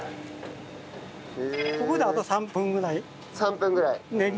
ここであと３分ぐらい練ります。